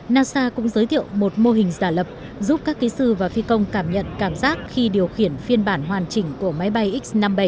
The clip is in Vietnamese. nasa cũng giới thiệu một mô hình giả lập giúp các kỹ sư và phi công cảm nhận cảm giác khi điều khiển phiên bản hoàn chỉnh của máy bay x năm mươi bảy